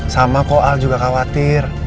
sama kok al juga khawatir